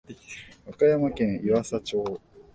和歌山県湯浅町